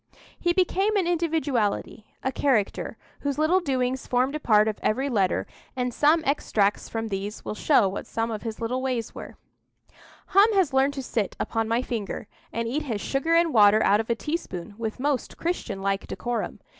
He became an individuality, a character, whose little doings formed a part of every letter, and some extracts from these will show what some of his little ways were:— "Hum has learned to sit upon my finger, and eat his sugar and water out of a teaspoon with most Christian like decorum.